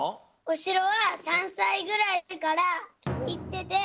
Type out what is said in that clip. お城は３さいぐらいから行ってて。